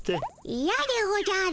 イヤでおじゃる。